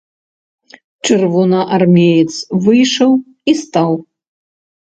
Чырвонаармеец выйшаў і стаў.